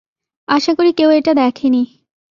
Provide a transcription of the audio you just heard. আশা করি কেউ এটা দেখেনি।